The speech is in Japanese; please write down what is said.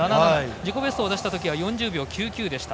自己ベストを出したときには４０秒９９でした。